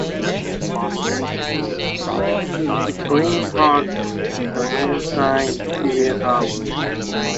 It rained hard the whole time we were out.